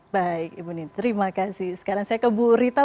baik ibu nita terima kasih sekarang saya ke bu rita